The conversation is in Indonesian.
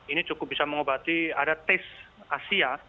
ini cukup bisa mengobati ada taste asia